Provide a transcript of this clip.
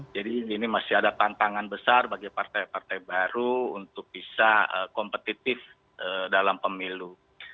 jadi ini masih ada tantangan besar bagi partai partai baru untuk bisa kompetitif dalam pemilu